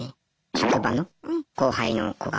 職場の後輩の子が。